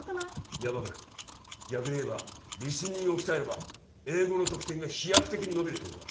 ヤバくない逆にいえばリスニングを鍛えれば英語の得点が飛躍的に伸びるってことだ